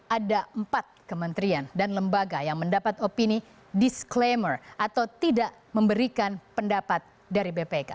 ada empat kementerian dan lembaga yang mendapat opini disclaimer atau tidak memberikan pendapat dari bpk